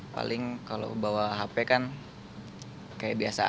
paling kalau bawa hp kan kayak biasa aja